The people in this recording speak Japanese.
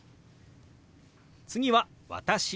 次は「私」。